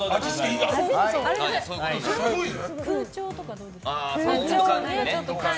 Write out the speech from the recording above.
空調とかどうですか？